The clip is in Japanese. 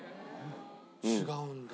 違うんだ。